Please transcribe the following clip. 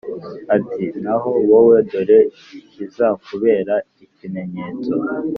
ati «Naho wowe, dore ikizakubera ikimenyetso: